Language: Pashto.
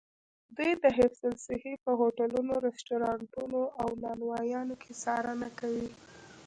دوی د حفظ الصحې په هوټلونو، رسټورانتونو او نانوایانو کې څارنه کوي.